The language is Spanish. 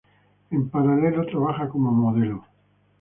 En paralelo, trabaja como modelo.